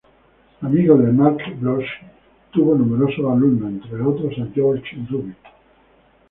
Amigo de Marc Bloch, tuvo numerosos alumnos, entre otros, a Georges Duby.